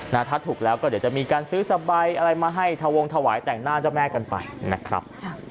ถ้าถูกแล้วก็เดี๋ยวจะมีการซื้อสบายอะไรมาให้ทะวงถวายแต่งหน้าเจ้าแม่กันไปนะครับ